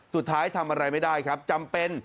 สุดท้ายทำอะไรไม่ได้ครับจำเป็น